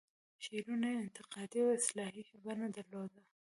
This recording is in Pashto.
شعرونو یې انتقادي او اصلاحي بڼه درلوده.